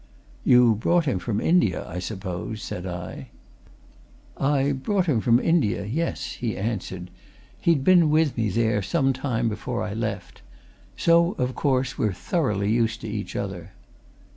"You brought him from India, I suppose?" said I. "I brought him from India, yes," he answered. "He'd been with me for some time before I left. So, of course, we're thoroughly used to each other."